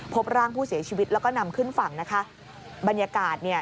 พบร่างผู้เสียชีวิตแล้วก็นำขึ้นฝั่งนะคะบรรยากาศเนี่ย